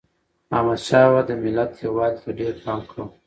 احمدشاه بابا د ملت یووالي ته ډېر پام کاوه.